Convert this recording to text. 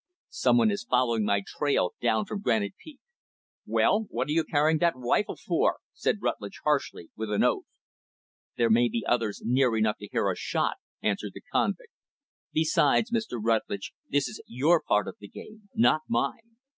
"Some one is following my trail down from Granite Peak." "Well, what are you carrying that rifle for?" said Rutlidge, harshly, with an oath. "There may be others near enough to hear a shot," answered the convict. "Besides, Mr. Rutlidge, this is your part of the game not mine.